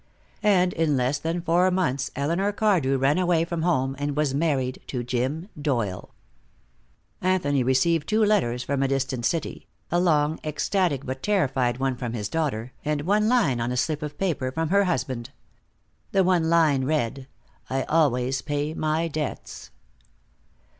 And in less than four months Elinor Cardew ran away from home and was married to Jim Doyle. Anthony received two letters from a distant city, a long, ecstatic but terrified one from his daughter, and one line on a slip of paper from her husband. The one line read: "I always pay my debts."